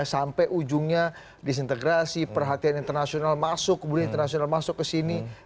sampai ujungnya disintegrasi perhatian internasional masuk ke sini